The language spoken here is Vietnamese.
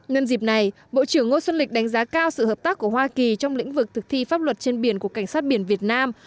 nhân dịp này bộ trưởng ngô xuân lịch đánh giá cao sự hợp tác của hoa kỳ trong lĩnh vực thực thi pháp luật trên biển của cảnh sát biển việt nam